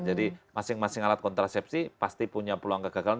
jadi masing masing alat kontrasepsi pasti punya peluang kegagalan